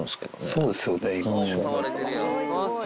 そうですよね。